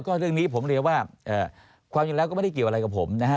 ก็เรื่องนี้ผมเรียกว่าความจริงแล้วก็ไม่ได้เกี่ยวอะไรกับผมนะฮะ